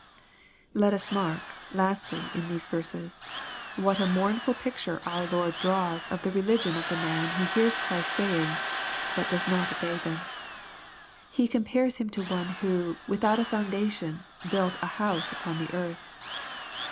Let us mark, lastly, in these verses, what a mournful picture our Lord draws of the religion of the man who ]iears ChrisCs sayings, hut does not obey them. He com pares him to one who, " without a foundation, built an house upon the earth."